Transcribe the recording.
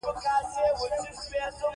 د درواغ ویلو په وړاندې هم صداقت نه لري.